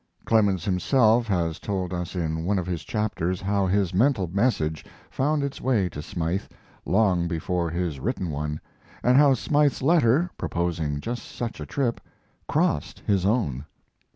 Clemens himself has told us in one of his chapters how his mental message found its way to Smythe long before his written one, and how Smythe's letter, proposing just such a trip, crossed his own.